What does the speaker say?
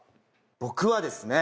僕はですね